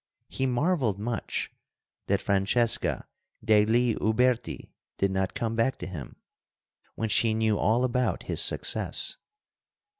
He marveled much that Francesca degli Uberti did not come back to him, when she knew all about his success.